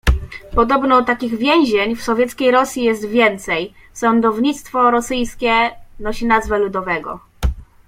"Podobno takich więzień w Sowieckiej Rosji jest więcej... Sądownictwo rosyjskie nosi nazwę ludowego."